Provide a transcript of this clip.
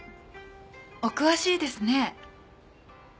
お詳しいですね。